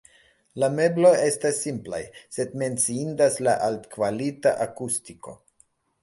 La mebloj estas simplaj, sed menciindas la altkvalita akustiko.